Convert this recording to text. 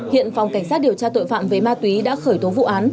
hiện phòng cảnh sát điều tra tội phạm về ma túy đã khởi tố vụ án